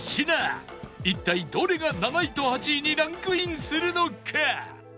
一体どれが７位と８位にランクインするのか？